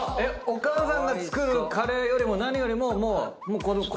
お母さんが作るカレーよりも何よりもこのココイチので。